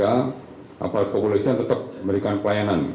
apalagi populasi yang tetap memberikan pelayanan